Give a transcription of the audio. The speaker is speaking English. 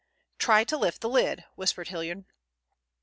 "Try to lift the lid," whispered Hilliard.